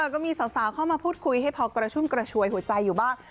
ก็มีสาวเข้ามาพูดคุยให้พอกระชุ่มกระชวยหัวใจอยู่บ้าง